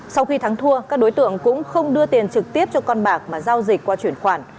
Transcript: sau khi thắng thua các đối tượng cũng không đưa tiền trực tiếp cho con bạc mà giao dịch qua chuyển khoản